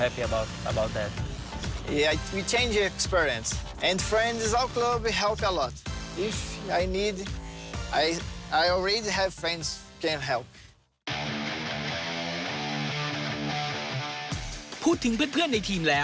พูดถึงไปเพื่อนในที่